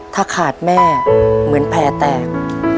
ถ้าขาดแม่เหมือนแผลแตก